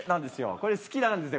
これ好きなんですよ